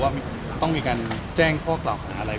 จะถ้ามีในบ้านแถวจริง